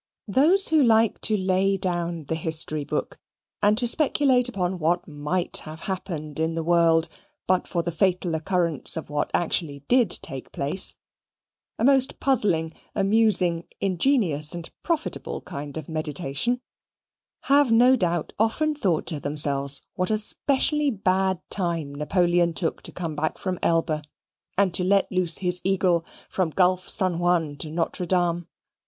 Those who like to lay down the History book, and to speculate upon what MIGHT have happened in the world, but for the fatal occurrence of what actually did take place (a most puzzling, amusing, ingenious, and profitable kind of meditation), have no doubt often thought to themselves what a specially bad time Napoleon took to come back from Elba, and to let loose his eagle from Gulf San Juan to Notre Dame.